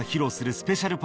スペシャルうん。